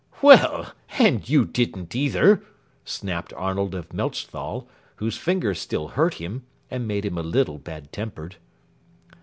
"Well, and you didn't either!" snapped Arnold of Melchthal, whose finger still hurt him, and made him a little bad tempered.